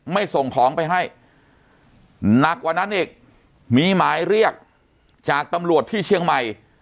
ไม่ส่งของไปให้หนักกว่านั้นอีกมีหมายเรียกจากตำรวจที่เชียงใหม่